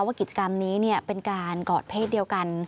ว่ากิจกรรมนี้เป็นการกอดเพศเดียวกัน